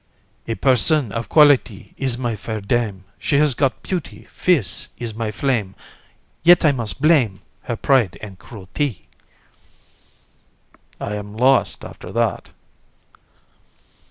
"A person of quality Is my fair dame; She has got beauty, Fierce is my flame; Yet I must blame Her pride and cruelty." VISC. I am lost after that.